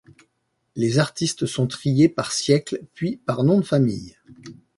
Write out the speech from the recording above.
Les artistes sont triés par siècle puis par nom de famille.